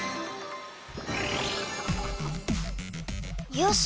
よし！